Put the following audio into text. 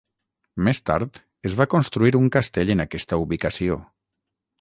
Més tard, es va construir un castell en aquesta ubicació.